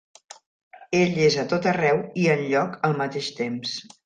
Ell és a tot arreu i enlloc al mateix temps.